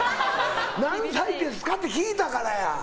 何歳ですかって聞いたからや！